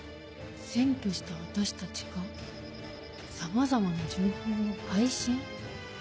「占拠した私たちがさまざまな情報を配信」？